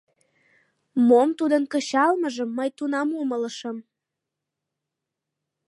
Мом тудын кычалмыжым мый тунам умылышым!